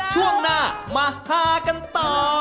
ช่วงหน้ามาฮากันต่อ